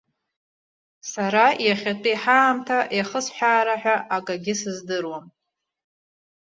Сара иахьатәи ҳаамҭа иахысҳәаара ҳәа акгьы сыздыруам.